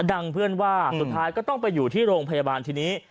เพื่อนว่าสุดท้ายก็ต้องไปอยู่ที่โรงพยาบาลทีนี้